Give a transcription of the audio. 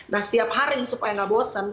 nah setiap hari supaya nggak bosen